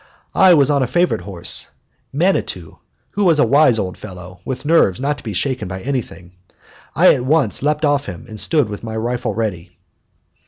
I was on a favorite horse, Manitou, who was a wise old fellow, with nerves not to be shaken by anything. I at once leaped off him and stood with my rifle ready.